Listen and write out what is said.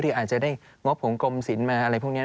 อาจจะได้งบของกรมศิลป์มาอะไรพวกนี้